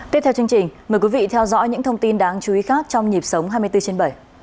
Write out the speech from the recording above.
tiếp theo chương trình mời quý vị theo dõi những thông tin đáng chú ý khác trong nhịp sống hai mươi bốn trên bảy